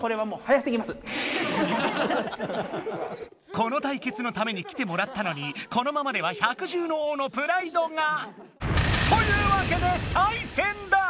この対決のために来てもらったのにこのままでは百獣の王のプライドが。というわけで再戦だ！